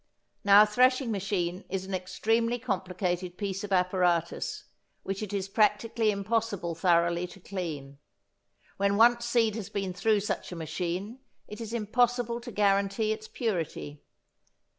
Now a thrashing machine is an extremely complicated piece of apparatus, which it is practically impossible thoroughly to clean. When once seed has been through such a machine it is impossible to guarantee its purity.